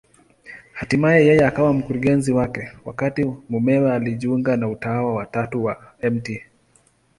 Hatimaye yeye akawa mkurugenzi wake, wakati mumewe alijiunga na Utawa wa Tatu wa Mt.